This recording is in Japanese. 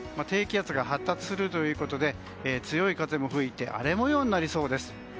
低気圧が発達するということで強い風も吹いて荒れ模様になりそうです。